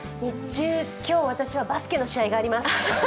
今日、私はバスケの試合があります。